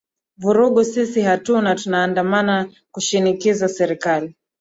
vurugu sisi hatuna tunaandamana kushinikiza serikali